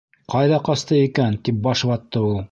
«Ҡайҙа ҡасты икән?» тип баш ватты ул.